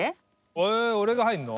え俺が入んの？